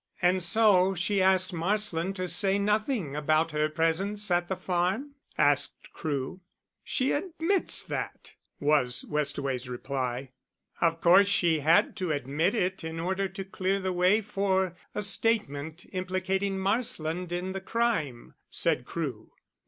"And so she asked Marsland to say nothing about her presence at the farm?" asked Crewe. "She admits that," was Westaway's reply. "Of course she had to admit it in order to clear the way for a statement implicating Marsland in the crime," said Crewe.